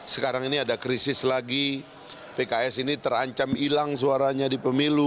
sekarang ini ada krisis lagi pks ini terancam hilang suaranya di pemilu